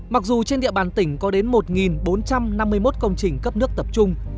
mặc dù trên địa bàn tỉnh có đến một bốn trăm năm mươi một công trình cấp nước tập trung